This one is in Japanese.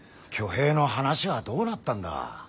挙兵の話はどうなったんだ。